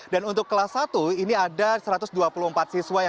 dan untuk kelas satu ini ada satu ratus dua puluh empat siswa